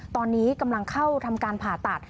ตอนนี้กำลังเข้าทำการผ่าตัด